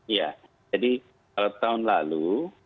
ya jadi tahun lalu